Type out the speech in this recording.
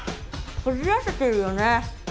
こじらせてるよね。